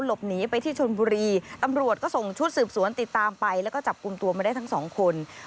หลบหนีไปที่ชนบุรีตำรวจก็ส่งชุดสืบสวนติดตามไปแล้วก็จับกลุ่มตัวมาได้ทั้งสองคน